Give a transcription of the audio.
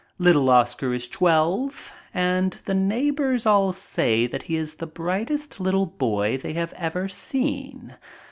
Little Oscar is twelve and the neighbors all say that he is the brightest little boy they have ever seen.